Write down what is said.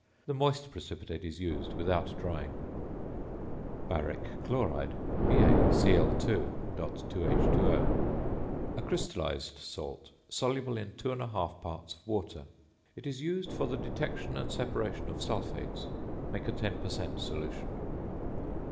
The moist precipitate is used without drying. ~Baric Chloride~, BaCl_.2H_O. A crystallised salt, soluble in 2 1/2 parts of water. It is used for the detection and separation of sulphates. Make a 10 per cent. solution.